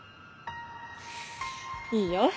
いいよ。